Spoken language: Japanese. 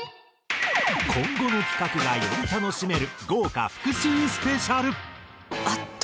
今後の企画がより楽しめる豪華復習スペシャル！